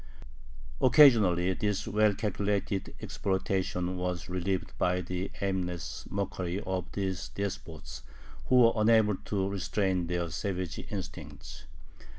Occasionally this well calculated exploitation was relieved by the aimless mockery of these despots, who were unable to restrain their savage instincts.